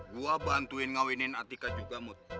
gue bantuin ngawinin atika juga mut